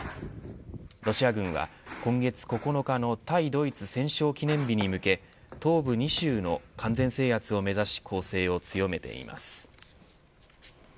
ロシア軍は今月９日の対ドイツ戦勝記念日に向け東部２州の完全制圧を目指し攻勢を強めています。